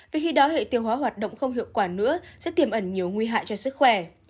vì khi đó hệ tiêu hóa hoạt động không hiệu quả nữa sẽ tiềm ẩn nhiều nguy hại cho sức khỏe